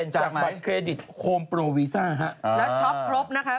จากบัตรเครดิตโฮมโปรวีซ่าฮะแล้วช็อปครบนะคะ